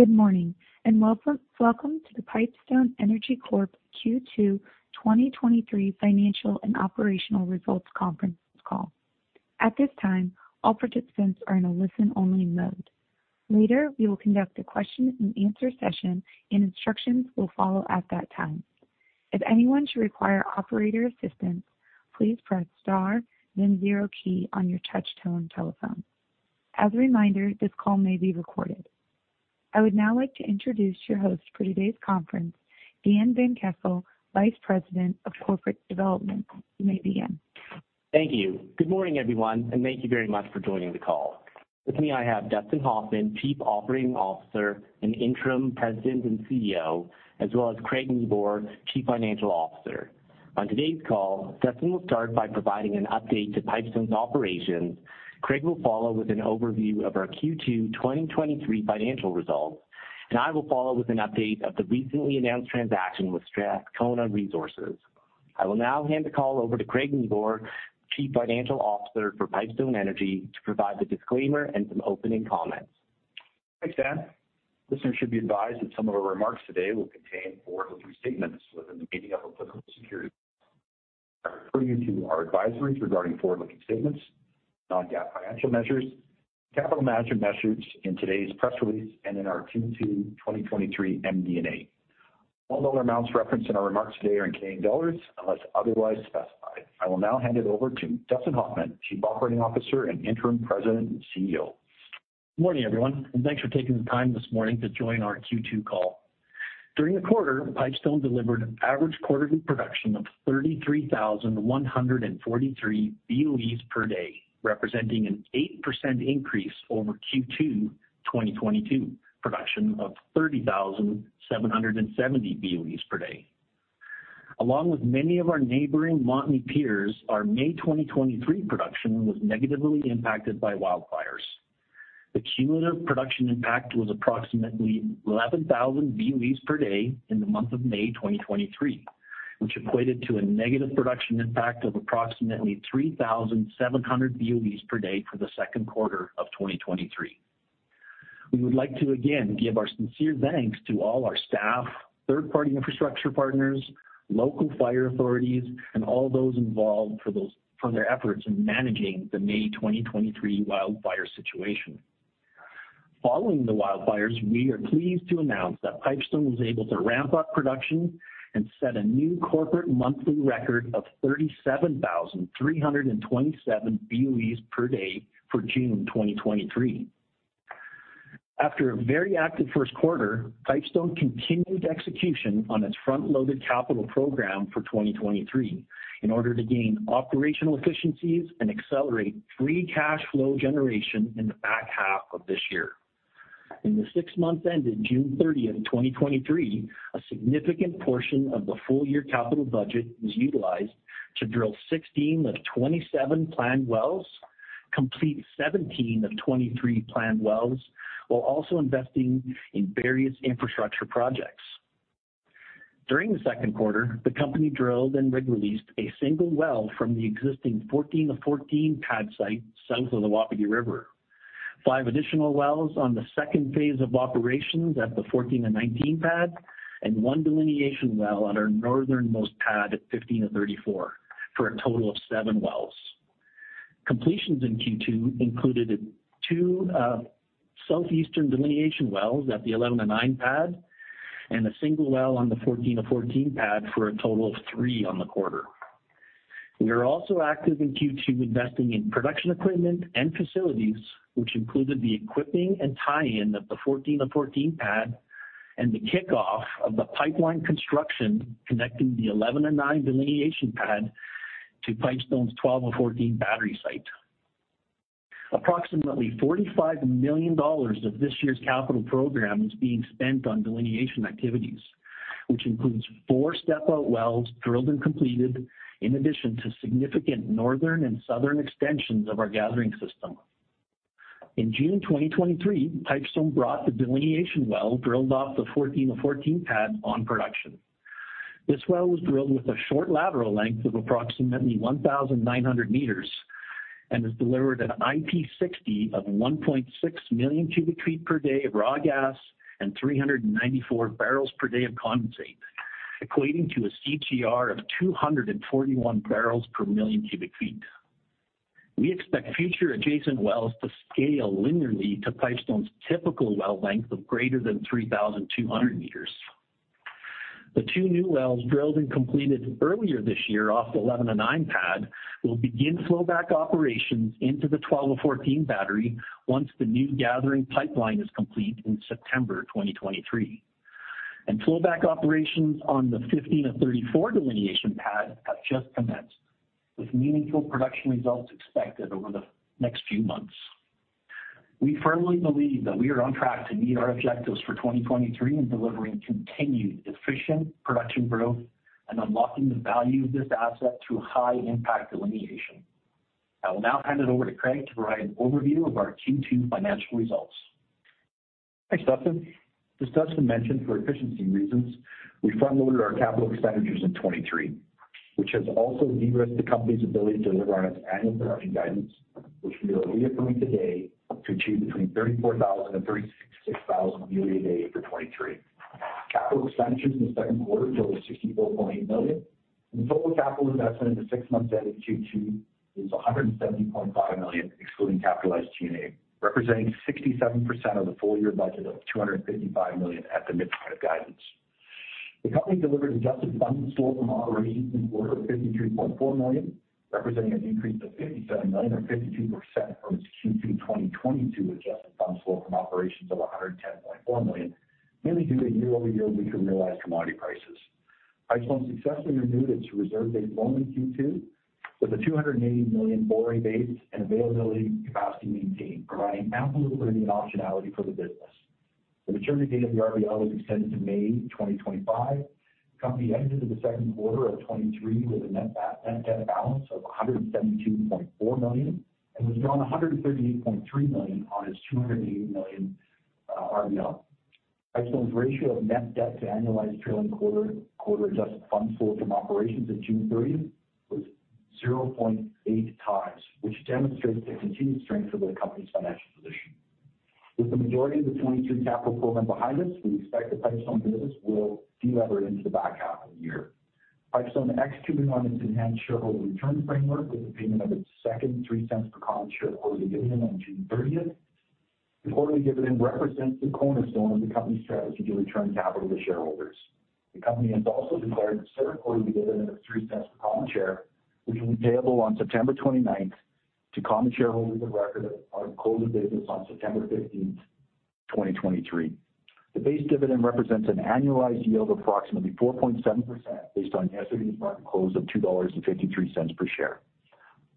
Good morning, and welcome, welcome to the Pipestone Energy Corp Q2 2023 Financial and Operational Results Conference Call. At this time, all participants are in a listen-only mode. Later, we will conduct a question-and-answer session, and instructions will follow at that time. If anyone should require operator assistance, please press Star, then 0 key on your touchtone telephone. As a reminder, this call may be recorded. I would now like to introduce your host for today's conference, Dan van Kessel, Vice President of Corporate Development. You may begin. Thank you. Good morning, everyone. Thank you very much for joining the call. With me, I have Dustin Hoffman, Chief Operating Officer and Interim President and CEO, as well as Craig Nieboer, Chief Financial Officer. On today's call, Dustin will start by providing an update to Pipestone's operations. Craig will follow with an overview of our Q2 2023 financial results. I will follow with an update of the recently announced transaction with Strathcona Resources. I will now hand the call over to Craig Nieboer, Chief Financial Officer for Pipestone Energy, to provide the disclaimer and some opening comments. Thanks, Dan. Listeners should be advised that some of our remarks today will contain forward-looking statements within the meaning of applicable security. I refer you to our advisories regarding forward-looking statements, non-GAAP financial measures, capital management measures in today's press release, and in our Q2 2023 MD&A. All dollar amounts referenced in our remarks today are in Canadian dollars, unless otherwise specified. I will now hand it over to Dustin Hoffman, Chief Operating Officer and Interim President and CEO. Good morning, everyone. Thanks for taking the time this morning to join our Q2 call. During the quarter, Pipestone delivered average quarterly production of 33,143 BOEs per day, representing an 8% increase over Q2 2022, production of 30,770 BOEs per day. Along with many of our neighboring Montney peers, our May 2023 production was negatively impacted by wildfires. The cumulative production impact was approximately 11,000 BOEs per day in the month of May 2023, which equated to a negative production impact of approximately 3,700 BOEs per day for the second quarter of 2023. We would like to again give our sincere thanks to all our staff, third-party infrastructure partners, local fire authorities, and all those involved for their efforts in managing the May 2023 wildfire situation. Following the wildfires, we are pleased to announce that Pipestone was able to ramp up production and set a new corporate monthly record of 37,327 BOEs per day for June 2023. After a very active first quarter, Pipestone continued execution on its front-loaded capital program for 2023 in order to gain operational efficiencies and accelerate free cash flow generation in the back half of this year. In the six months ended June 30, 2023, a significant portion of the full-year capital budget was utilized to drill 16 of 27 planned wells, complete 17 of 23 planned wells, while also investing in various infrastructure projects. During the second quarter, the company drilled and rig released 1 well from the existing fourteen of fourteen pad site south of the Wapiti River, 5 additional wells on the second phase of operations at the fourteen and nineteen pad, and 1 delineation well at our northernmost pad at fifteen and thirty-four, for a total of 7 wells. Completions in Q2 included 2 southeastern delineation wells at the eleven and nine pad, and 1 well on the fourteen of fourteen pad for a total of 3 on the quarter. We are also active in Q2, investing in production equipment and facilities, which included the equipping and tie-in of the fourteen of fourteen pad and the kickoff of the pipeline construction, connecting the eleven and nine delineation pad to Pipestone's twelve and fourteen battery site. Approximately 45 million dollars of this year's capital program is being spent on delineation activities, which includes four step-out wells drilled and completed, in addition to significant northern and southern extensions of our gathering system. In June 2023, Pipestone brought the delineation well, drilled off the fourteen of fourteen pad, on production. This well was drilled with a short lateral length of approximately 1,900 meters and has delivered an IP60 of 1.6 million cubic feet per day of raw gas and 394 barrels per day of condensate, equating to a CTR of 241 barrels per million cubic feet. We expect future adjacent wells to scale linearly to Pipestone's typical well length of greater than 3,200 meters. The two new wells, drilled and completed earlier this year off the 11 and 9 pad, will begin flow back operations into the 12 and 14 battery once the new gathering pipeline is complete in September 2023. Flow back operations on the 15 and 34 delineation pad have just commenced, with meaningful production results expected over the next few months. We firmly believe that we are on track to meet our objectives for 2023 in delivering continued efficient production growth and unlocking the value of this asset through high-impact delineation. I will now hand it over to Craig to provide an overview of our Q2 financial results. Thanks, Dustin. As Dustin mentioned, for efficiency reasons, we front-loaded our capital expenditures in 2023.... which has also de-risked the company's ability to deliver on its annual production guidance, which we are reaffirming today to achieve between 34,000 and 36,000 million a day for 2023. Capital expenditures in the second quarter totaled 64.8 million, and total capital investment in the six months ended Q2 is 170.5 million, excluding capitalized G&A, representing 67% of the full year budget of 255 million at the midpoint of guidance. The company delivered adjusted funds flow from operations in quarter of 53.4 million, representing an increase of 57 million, or 52% from its Q2 2022 adjusted funds flow from operations of 110.4 million, mainly due to year-over-year weaker realized commodity prices. Pipestone successfully renewed its reserve-based loan in Q2, with a 280 million borrowing base and availability capacity maintained, providing ample liquidity and optionality for the business. The maturity date of the RBL was extended to May 2025. The company entered into the second quarter of 2023 with a net net debt balance of 172.4 million and has drawn 138.3 million on its 280 million RBL. Pipestone's ratio of net debt to annualized trailing quarter, quarter adjusted funds flow from operations at June 30th was 0.8 times, which demonstrates the continued strength of the company's financial position. With the majority of the 2022 capital program behind us, we expect the Pipestone business will de-lever into the back half of the year. Pipestone executing on its enhanced shareholder return framework with the payment of its second 0.03 per common share quarterly dividend on June 30th. The quarterly dividend represents the cornerstone of the company's strategy to return capital to shareholders. The company has also declared a third quarterly dividend of CAD 0.03 per common share, which will be payable on September 29th to common shareholders of record on closing business on September 15th, 2023. The base dividend represents an annualized yield of approximately 4.7% based on yesterday's market close of 2.53 dollars per share.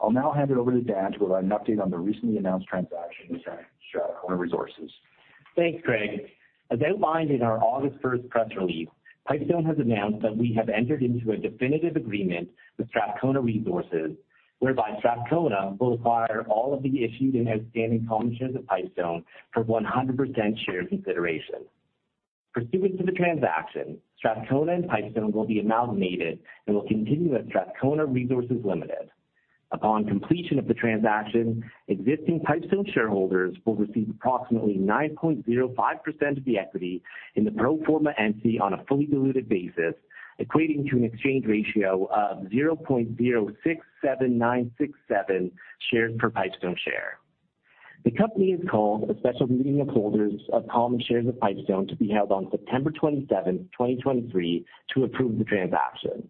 I'll now hand it over to Dan to provide an update on the recently announced transaction with Strathcona Resources. Thanks, Craig. As outlined in our August 1st press release, Pipestone has announced that we have entered into a definitive agreement with Strathcona Resources, whereby Strathcona Resources will acquire all of the issued and outstanding common shares of Pipestone for 100% share consideration. Pursuant to the transaction, Strathcona Resources and Pipestone will be amalgamated and will continue as Strathcona Resources Ltd.. Upon completion of the transaction, existing Pipestone shareholders will receive approximately 9.05% of the equity in the pro forma entity on a fully diluted basis, equating to an exchange ratio of 0.067967 shares per Pipestone share. The company has called a special meeting of holders of common shares of Pipestone to be held on September 27th, 2023, to approve the transaction.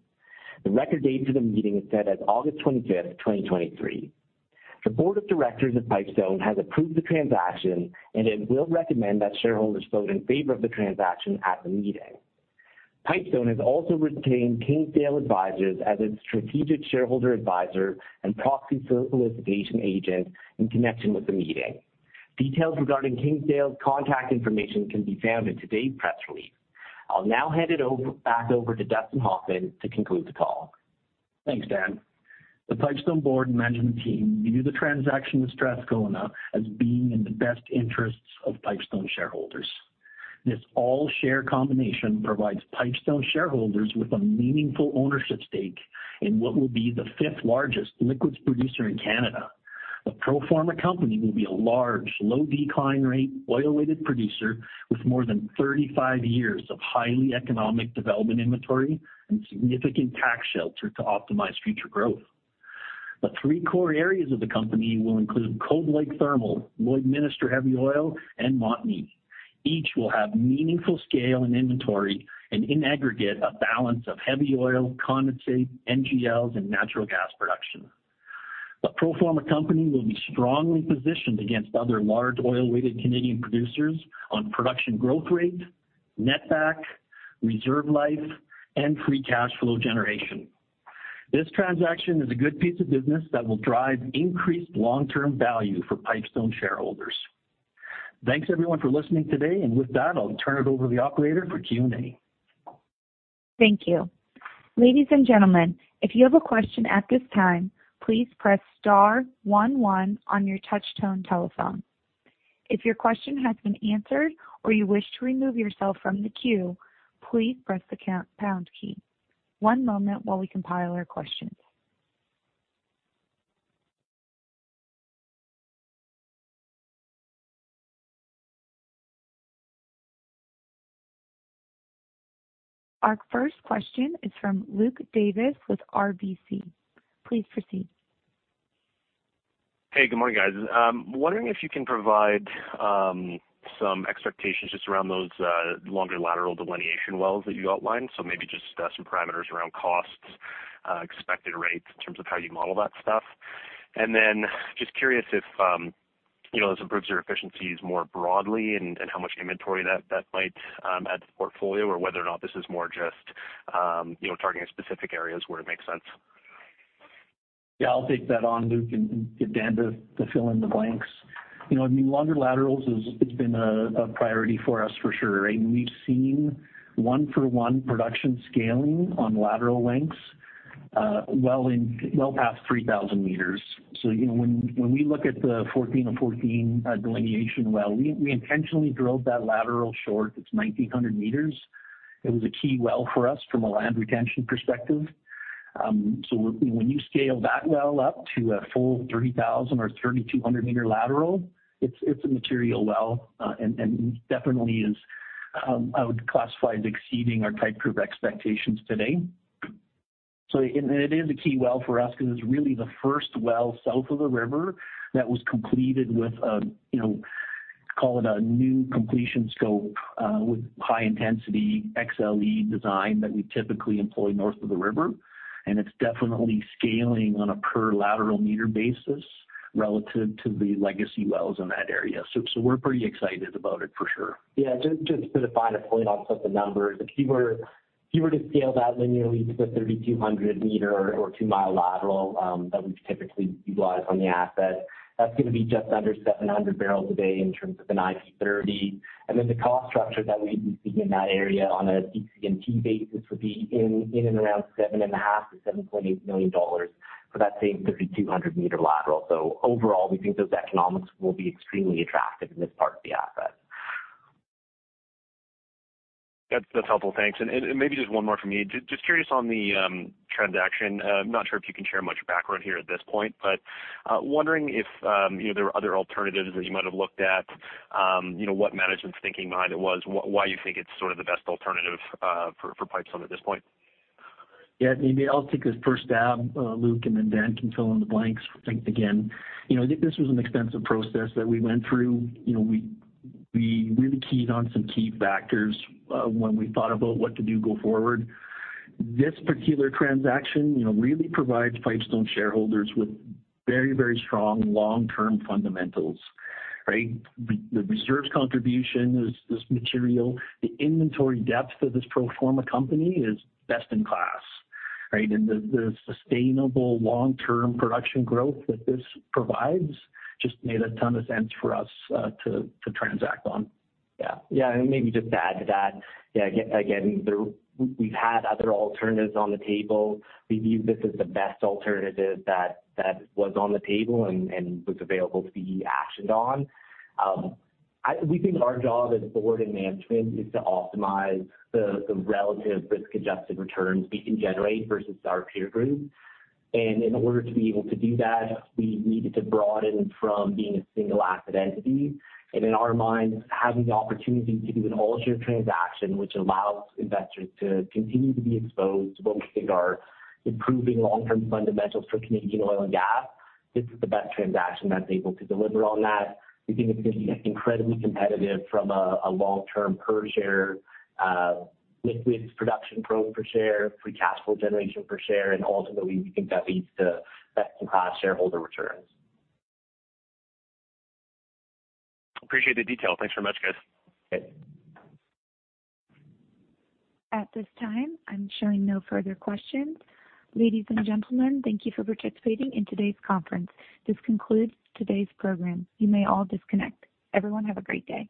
The record date for the meeting is set as August 25th, 2023. The board of directors of Pipestone has approved the transaction. It will recommend that shareholders vote in favor of the transaction at the meeting. Pipestone has also retained Kingsdale Advisors as its strategic shareholder advisor and proxy solicitation agent in connection with the meeting. Details regarding Kingsdale's contact information can be found in today's press release. I'll now hand it back over to Dustin Hoffman to conclude the call. Thanks, Dan. The Pipestone board and management team view the transaction with Strathcona as being in the best interests of Pipestone shareholders. This all-share combination provides Pipestone shareholders with a meaningful ownership stake in what will be the fifth-largest liquids producer in Canada. The pro forma company will be a large, low decline rate, oil-weighted producer with more than 35 years of highly economic development inventory and significant tax shelter to optimize future growth. The three core areas of the company will include Cold Lake Thermal, Lloydminster Heavy Oil, and Montney. Each will have meaningful scale and inventory, and in aggregate, a balance of heavy oil, condensate, NGLs, and natural gas production. The pro forma company will be strongly positioned against other large oil-weighted Canadian producers on production growth rate, netback, reserve life, and free cash flow generation. This transaction is a good piece of business that will drive increased long-term value for Pipestone shareholders. Thanks, everyone, for listening today. With that, I'll turn it over to the operator for Q&A. Thank you. Ladies and gentlemen, if you have a question at this time, please press star one one on your touchtone telephone. If your question has been answered or you wish to remove yourself from the queue, please press the pound key. One moment while we compile our questions. Our first question is from Luke Davis with RBC. Please proceed. Hey, good morning, guys. Wondering if you can provide some expectations just around those longer lateral delineation wells that you outlined. Maybe just some parameters around costs, expected rates in terms of how you model that stuff. Then just curious if, you know, this improves your efficiencies more broadly and, and how much inventory that, that might add to the portfolio, or whether or not this is more just, you know, targeting specific areas where it makes sense. Yeah, I'll take that on, Luke, and get Dan to, to fill in the blanks. You know, I mean, longer laterals it's been a, a priority for us for sure, right? We've seen one-for-one production scaling on lateral lengths, well in, well past 3,000 meters. You know, when, when we look at the fourteen of fourteen delineation well, we, we intentionally drilled that lateral short. It's 1,900 meters. It was a key well for us from a land retention perspective. When you scale that well up to a full 3,000 or 3,200 meter lateral, it's, it's a material well, and, and definitely is, I would classify as exceeding our type curve expectations today. It is a key well for us, because it's really the first well south of the river that was completed with a, you know, call it a new completion scope, with high intensity XLE design that we typically employ north of the river. It's definitely scaling on a per lateral meter basis relative to the legacy wells in that area. We're pretty excited about it for sure. Yeah, just, just to put a finer point on some of the numbers. If you were, if you were to scale that linearly to the 3,200 meter or 2-mile lateral that we typically utilize on the asset, that's gonna be just under 700 barrels a day in terms of an IP30. The cost structure that we see in that area on a DC&T basis, would be in, in and around $7.5 million-$7.8 million for that same 3,200 meter lateral. Overall, we think those economics will be extremely attractive in this part of the asset. That's, that's helpful. Thanks. Maybe just one more from me. Just curious on the transaction. I'm not sure if you can share much background here at this point, but wondering if, you know, there were other alternatives that you might have looked at? You know, what management's thinking behind it was, why you think it's sort of the best alternative for Pipestone at this point? Maybe I'll take this first stab, Luke, and then Dan can fill in the blanks, thanks again. You know, this was an extensive process that we went through. You know, we, we really keyed on some key factors when we thought about what to do go forward. This particular transaction, you know, really provides Pipestone shareholders with very, very strong long-term fundamentals, right? The reserves contribution is this material. The inventory depth of this pro forma company is best in class, right? The, the sustainable long-term production growth that this provides, just made a ton of sense for us to, to transact on. Yeah. Yeah, and maybe just to add to that. Yeah, again, again, we've had other alternatives on the table. We view this as the best alternative that, that was on the table and, and was available to be actioned on. We think our job as a board and management is to optimize the, the relative risk-adjusted returns we can generate versus our peer group. In order to be able to do that, we needed to broaden from being a single-asset entity. In our minds, having the opportunity to do an all-share transaction, which allows investors to continue to be exposed to what we think are improving long-term fundamentals for Canadian oil and gas, this is the best transaction that's able to deliver on that. We think it's gonna be incredibly competitive from a long-term per share, liquids production growth per share, free cash flow generation per share, and ultimately, we think that leads to best-in-class shareholder returns. Appreciate the detail. Thanks very much, guys. Thanks. At this time, I'm showing no further questions. Ladies and gentlemen, thank you for participating in today's conference. This concludes today's program. You may all disconnect. Everyone, have a great day.